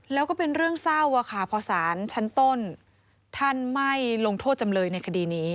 แล้วก็เป็นเรื่องเศร้าค่ะพอสารชั้นต้นท่านไม่ลงโทษจำเลยในคดีนี้